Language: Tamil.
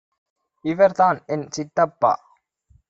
இவர் தான் என் சித்தப்பா